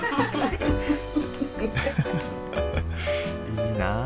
いいなあ。